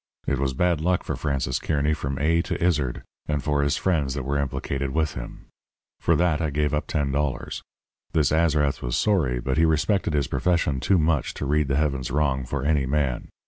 It was bad luck for Francis Kearny from A to Izard and for his friends that were implicated with him. For that I gave up ten dollars. This Azrath was sorry, but he respected his profession too much to read the heavens wrong for any man.